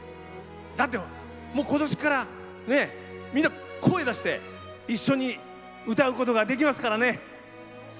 だって、もう今年からみんな、声出して一緒に歌うことができますからね。